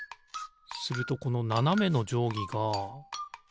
するとこのななめのじょうぎが。